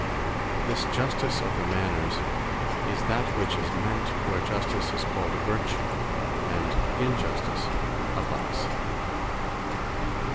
This Justice of the Manners, is that which is meant, where Justice is called a Vertue; and Injustice a Vice.